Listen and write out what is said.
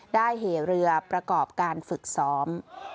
เหเรือประกอบการฝึกซ้อม